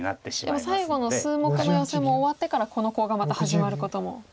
でも最後の数目のヨセも終わってからこのコウがまた始まることも。